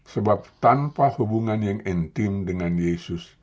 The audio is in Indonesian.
sebab tanpa hubungan yang intim dengan yesus